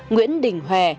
nguyễn đình huệ